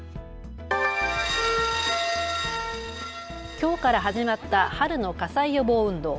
きょうから始まった春の火災予防運動。